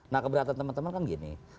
nah keberatan teman teman kan gini